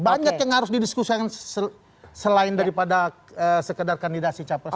banyak yang harus didiskusikan selain daripada sekedar kandidasi capres